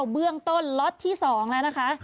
เบื้องต้นล็อตที่๒แล้วนะคะ